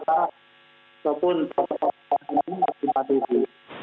ataupun persoalan yang berkipat itu